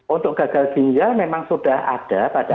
untuk gagal ginjal memang sudah ada pada